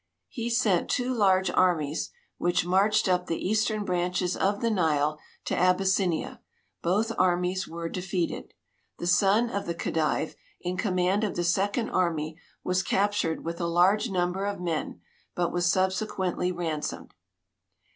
He sent two large armies, which marched up the eastern branches of the Nile to Abyssinia ; both armies were defeated. The son of the Khedive, in command of the second army, was captured with a large number of men, but was subsequently ransomed.